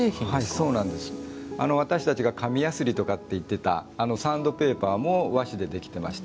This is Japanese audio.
私たちが紙やすりとかっていっていた、サンドペーパーも和紙でできてました。